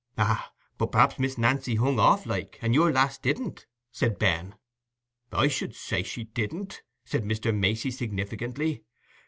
"Ah, but mayhap Miss Nancy hung off, like, and your lass didn't," said Ben. "I should say she didn't," said Mr. Macey, significantly.